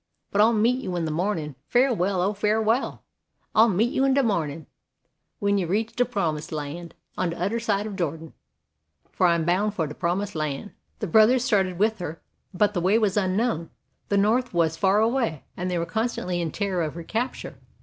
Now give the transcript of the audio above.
But I'll meet you in de mornin'; Farewell! oh, farewell! I'll meet you in de mornin' When you reach de Promised Land; On de Oder side of Jordan, For I'm boun' for de Promised Land. The brothers started with her; but the way was unknown, the North was far away, and they were constantly in terror of recapture.